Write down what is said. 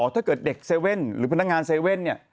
ถ้าเกิดเด็กเซเว่นส์หรือพนักงานเซเว่นส์เนี่ย